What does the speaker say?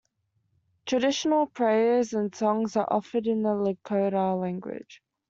Traditional prayers and songs are offered in the Lakota language.